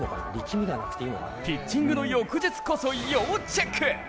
ピッチングの翌日こそ要チェック。